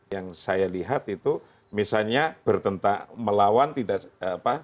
yang saya lihat itu misalnya bertentang melawan tidak apa